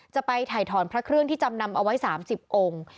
จะไปถ่ายถอนพระเครื่องที่จำนำเอาไว้๓๐องค์